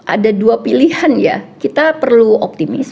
ada dua pilihan ya kita perlu optimis